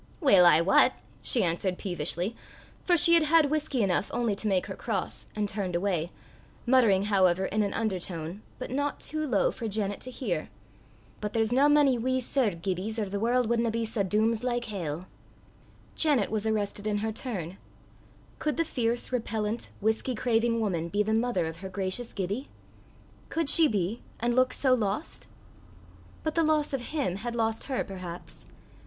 "Weel I wat!" she answered peevishly, for she had had whisky enough only to make her cross, and turned away, muttering however in an undertone, but not too low for Janet to hear, "but there's nae mony wee Sir Gibbies, or the warl' wadna be sae dooms like hell." Janet was arrested in her turn: could the fierce, repellent, whisky craving woman be the mother of her gracious Gibbie? Could she be, and look so lost? But the loss of him had lost her perhaps.